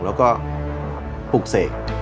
แล้วก็ปลูกเสก